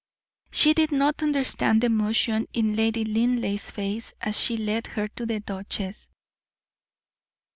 She did not understand the emotion in Lady Linleigh's face as she led her to the duchess.